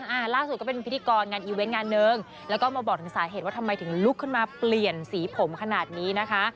อ่าล่าสุดก็เป็นพิธีกรงานอีเวนต์งานหนึ่งแล้วก็มาบอกถึงสาเหตุว่าทำไมถึงลุกขึ้นมาเปลี่ยนสีผมขนาดนี้นะคะ